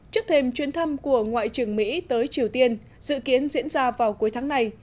trước thêm chuyến thăm của ngoại trưởng mỹ tới triều tiên dự kiến diễn ra vào cuối tháng này